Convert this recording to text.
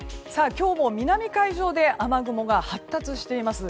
今日も南海上で雨雲が発達しています。